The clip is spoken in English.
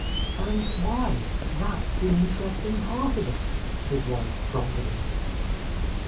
"And why? That's the interesting part of it," his wife prompted him.